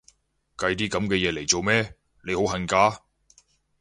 計啲噉嘅嘢嚟做咩？，你好恨嫁？